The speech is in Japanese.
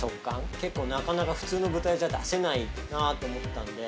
結構なかなか普通の豚じゃ出せないなと思ったんで。